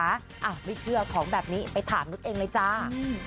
อ้าวไม่เชื่อของแบบนี้ไปถามนุษย์เองเลยจ้า